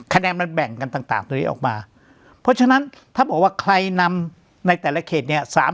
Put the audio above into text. คะแนนมันแบ่งกันต่างตรงนี้ออกมาเพราะฉะนั้นถ้าบอกว่าใครนำในแต่ละเขตเนี่ย